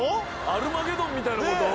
「アルマゲドン」みたいなこと？